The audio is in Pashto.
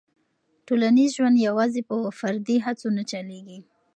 ټولنیز ژوند یوازې په فردي هڅو نه چلېږي.